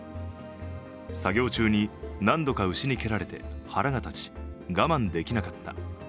作業中に何度か牛に蹴られて腹が立ち、我慢できなかった。